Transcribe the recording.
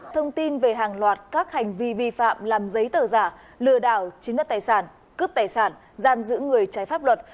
thông tin về hàng loạt các hành vi vi phạm làm giấy tờ giả lừa đảo chiếm đất tài sản cướp tài sản giam giữ người trái pháp luật